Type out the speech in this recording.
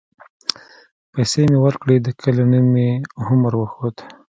پيسې مې وركړې د كلي نوم مې هم وروښود.